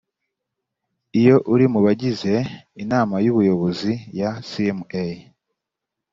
iyo uri mu bagize inama y ubuyobozi ya cma